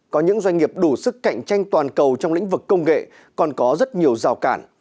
có những doanh nghiệp đủ sức cạnh tranh toàn cầu trong lĩnh vực công nghệ còn có rất nhiều rào cản